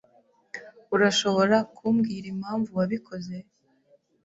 Urashobora kumbwira impamvu wabikoze?